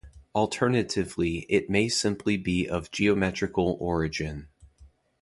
Alternatively, it may simply be of geometrical origin.